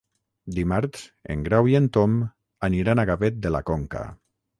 Dimarts en Grau i en Tom aniran a Gavet de la Conca.